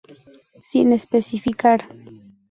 Sin especificar.